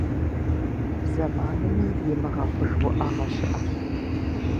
Зэманми имыгъэхъуж уӏэгъэ щыӏэщ.